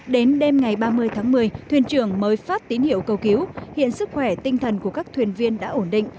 đến đêm ngày ba mươi tháng một mươi thuyền trưởng mới phát tín hiệu cầu cứu hiện sức khỏe tinh thần của các thuyền viên đã ổn định